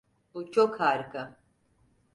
Bu çok harika!